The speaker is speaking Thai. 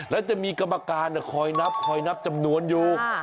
แล้วจะมีกรรมการคอยนับคอยนับจำนวนอยู่